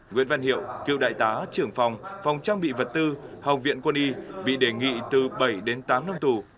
nguyễn văn hiệu cựu đại tá trưởng phòng phòng trang bị vật tư học viện quân y bị đề nghị từ bảy đến tám năm tù